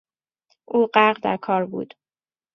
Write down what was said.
او غرق در کار بود.